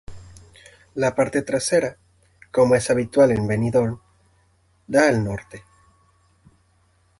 La parte trasera, como es habitual en Benidorm, da al Norte.